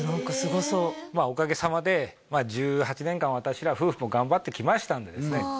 すごそうおかげさまで１８年間私ら夫婦も頑張ってきましたんでですね